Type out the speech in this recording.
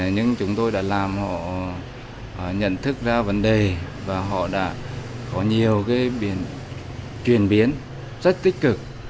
nhưng chúng tôi đã làm họ nhận thức ra vấn đề và họ đã có nhiều cái biến chuyển biến rất tích cực